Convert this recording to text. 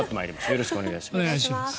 よろしくお願いします。